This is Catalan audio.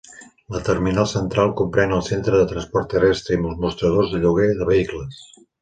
La terminal central comprèn el centre de transport terrestre i els mostradors de lloguer de vehicles.